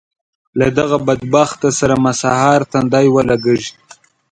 له دغه بدبخته سره مې سهار تندی ولګېږي.